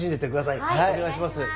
はいお願いします。